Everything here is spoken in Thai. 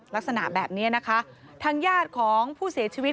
ลักษณะแบบนี้นะคะทางญาติของผู้เสียชีวิต